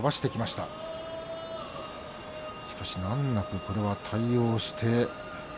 しかし難なくこれは対応して。